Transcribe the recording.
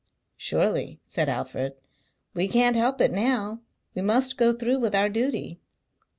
"Surely," said Alfred, "we can't help it now. We must go through with our duty."